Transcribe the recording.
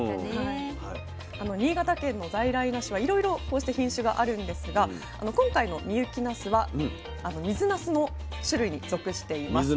新潟県の在来なすはいろいろこうして品種があるんですが今回の深雪なすは水なすの種類に属しています。